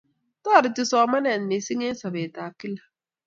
Toriti somanet mising eng sobet ab kila